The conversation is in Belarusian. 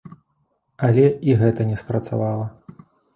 Але і гэта не спрацавала.